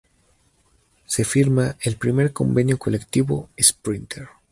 Se firma el primer Convenio Colectivo Sprinter.